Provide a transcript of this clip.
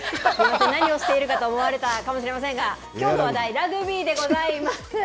何をしているかと思われたかもしれませんが、きょうの話題、ラグビーでございます。